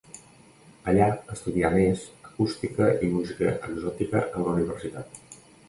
Allà estudià a més, acústica i música exòtica en la Universitat.